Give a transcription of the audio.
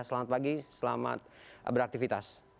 selamat pagi selamat beraktivitas